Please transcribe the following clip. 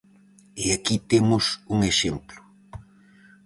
E aquí temos un exemplo.